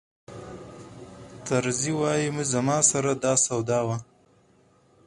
طرزي وایي زما سره دا سودا وه.